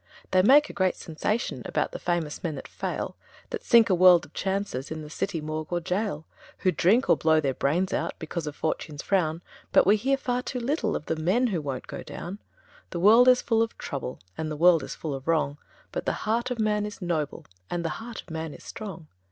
They make a great sensation About famous men that fail, That sink a world of chances In the city morgue or gaol, Who drink, or blow their brains out, Because of "Fortune's frown". But we hear far too little Of the men who won't go down. The world is full of trouble, And the world is full of wrong, But the heart of man is noble, And the heart of man is strong!